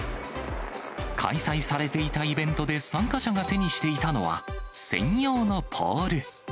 開催されていたイベントで参加者が手にしていたのは、専用のポール。